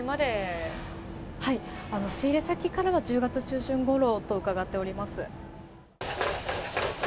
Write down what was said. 仕入れ先からは１０月中旬ごろと伺っております。